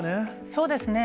そうですね。